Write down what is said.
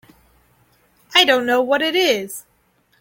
I don't know what it is.